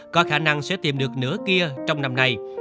có khả năng sẽ tìm được nửa kia trong năm nay